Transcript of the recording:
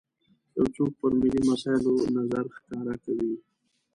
یو څوک پر ملي مسایلو نظر ښکاره کوي.